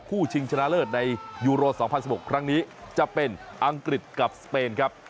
ชิงชนะเลิศในยูโร๒๐๑๖ครั้งนี้จะเป็นอังกฤษกับสเปนครับ